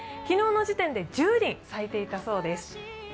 昨日の時点で１０輪咲いていたようです。